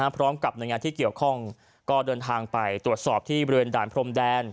พร้อมกับหน่วยงานที่เกี่ยวข้องก็เดินทางไปตรวจสอบที่บริเวณด่านพรมแดน